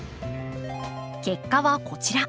結果はこちら。